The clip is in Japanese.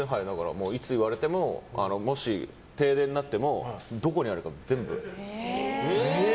いつ言われてももし停電になってもどこにあるか全部。